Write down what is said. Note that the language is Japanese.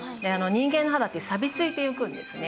人間の肌ってさびついていくんですね。